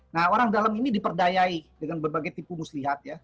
nah orang dalam ini diperdayai dengan berbagai tipu muslihat ya